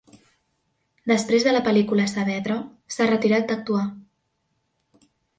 Després de la pel·lícula, Saavedra s'ha retirat d'actuar.